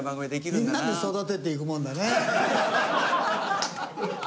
みんなで育てていくもんだね。